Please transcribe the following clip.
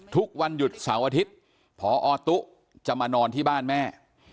ทุกวันหยุดเสาร์อาทิตย์พอตุ๊จะมานอนที่บ้านแม่